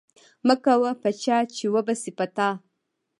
مه کوه په چا چې وبه شي پر تا